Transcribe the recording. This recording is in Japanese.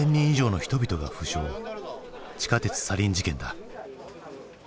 地下鉄サリン事件だ。